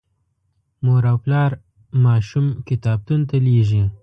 مور او پلار ماشوم کتابتون ته لیږي.